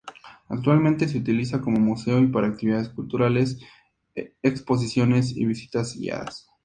Actualmente, se utiliza como museo y para actividades culturales, exposiciones y visitas guiadas.